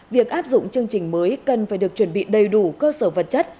việc áp dụng chương trình mới cần phải được chuẩn bị đầy đủ cơ sở vật chất